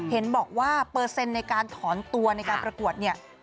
เห็นบอกว่าโปรเซ็นต์ในการถอนตัวในการปรากวด